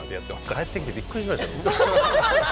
帰ってきてびっくりしましたもん。